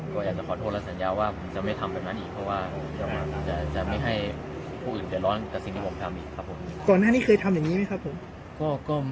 ก็อยากจะขอโทษและสั่งย้าวว่าผมจะไม่ทำไปเมื่อนั้นอีกเพราะว่าผมก็จะไม่ให้พวกอื่นเกลือร้อนกับสิ่งที่ผมทำอีกครับผม